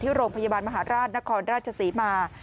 โรงพยาบาลมหาราชนครราชศรีมา